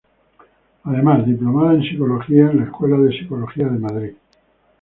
Además, diplomada en psicología en la Escuela de Psicología de Madrid.